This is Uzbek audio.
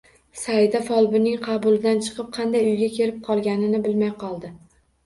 Saida folbinning qabulidan chiqib, qanday uyiga kelib qolganini ham bilmay qoldi